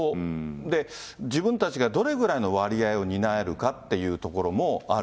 で、自分たちがどれぐらいの割合を担えるかっていうところもある。